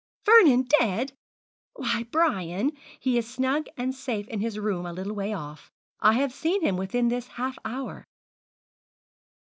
'Vernon dead! Why, Brian, he is snug and safe in his room a little way off. I have seen him within this half hour.'